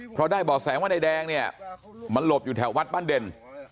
เพราะได้บ่อแสว่านายแดงเนี่ยมันหลบอยู่แถววัดบ้านเด่น